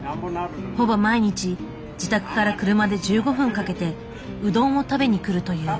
ほぼ毎日自宅から車で１５分かけてうどんを食べに来るという。